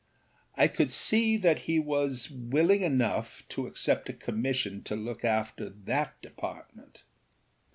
I could see that he was willing enough to accept a commission to look after that department.